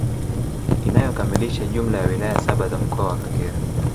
Inayokamilisha jumla ya wilaya saba za Mkoa wa Kagera